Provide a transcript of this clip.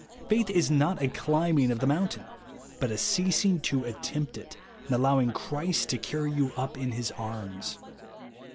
Faith is not a climbing of the mountain ; but a ceasing to attempt it, and allowing Christ to carry you up in his arms.